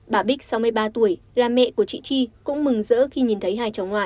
bà bích sáu mươi ba tuổi là mẹ của chị chi cũng mừng rỡ khi nhìn thấy hai cháu ngoại